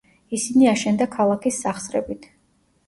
ისინი აშენდა ქალაქის სახსრებით.